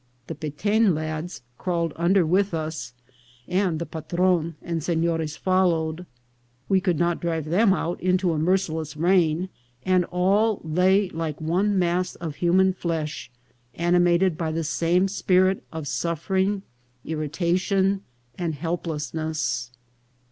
The Peten lads crawled under with us, and the patron and senores followed. We could not drive them out into a merciless rain, and all lay like one mass of human flesh, animated by the same spirit of suffering, irritation, and helplessness.